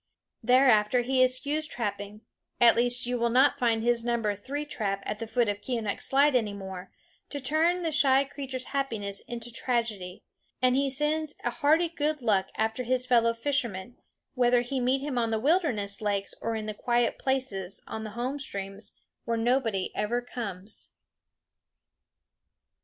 Thereafter he eschews trapping at least you will not find his number three trap at the foot of Keeonekh's slide any more, to turn the shy creature's happiness into tragedy and he sends a hearty good luck after his fellow fisherman, whether he meet him on the wilderness lakes or in the quiet places on the home streams where nobody ever comes.